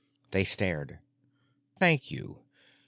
They stared. "Thank you.